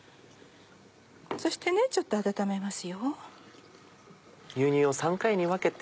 そしてちょっと温めます。